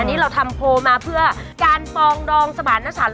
อันนี้เราทำโพลมาเพื่อการปองดองสมารณสาร